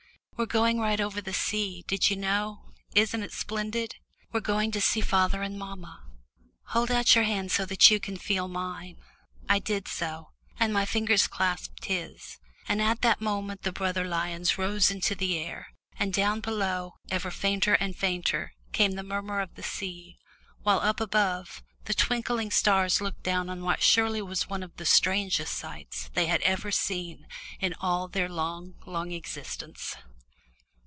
"We're going right over the sea did you know? isn't it splendid? We're going to see father and mamma. Hold out your hand so that you can feel mine." [Illustration: THE BROTHER LIONS ROSE INTO THE AIR.] I did so, and my fingers clasped his, and at that moment the brother lions rose into the air, and down below, even fainter and fainter, came the murmur of the sea, while up above, the twinkling stars looked down on what surely was one of the strangest sights they had ever seen in all their long, long experience!